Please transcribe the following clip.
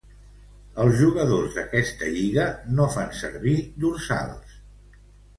Els jugadors d'esta lliga no fan servir dorsals.